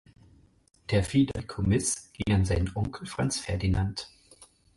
Der Fideikommiß ging an seinen Onkel Franz Ferdinand.